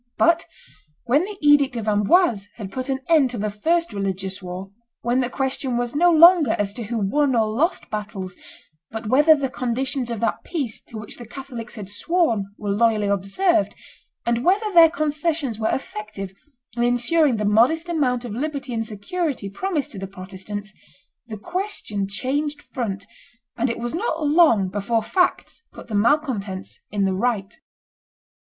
But when the edict of Amboise had put an end to the first religious war, when the question was no longer as to who won or lost battles, but whether the conditions of that peace to which the Catholics had sworn were loyally observed, and whether their concessions were effective in insuring the modest amount of liberty and security promised to the Protestants, the question changed front, and it was not long before facts put the malcontents in the right.